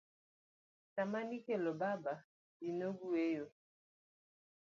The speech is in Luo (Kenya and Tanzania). Sama nikelo baba ji ne gweyo.